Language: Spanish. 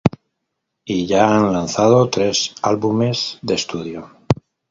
Y ya han lanzado tres álbumes de estudio.